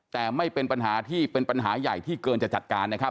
แต่ไม่เป็นปัญหาที่เป็นปัญหาใหญ่ที่เกินจะจัดการนะครับ